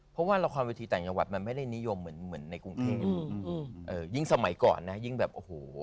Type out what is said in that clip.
ทุกวันละครวิทย์ต่างกระวัตรมันไม่ได้นิยมเหมือนในกรุงเทพยี่ยิ่งสมัยก่อนนะอย่างแบบโอ้โห